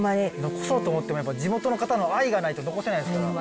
残そうと思ってもやっぱ地元の方の愛がないと残せないですから。